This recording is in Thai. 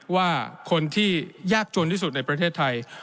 ว่าคนที่ยากจนที่สุดในประเทศไทย